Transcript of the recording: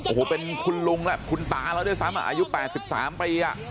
โอ้โหเป็นคุณลุงแหละคุณตาแล้วด้วยซ้ำอายุ๘๓ปี